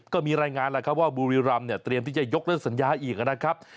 ก็มีรายงานแล้วครับว่าบุรีรำเนี่ยเตรียมที่จะยกเลิกสัญญาอีกนะครับ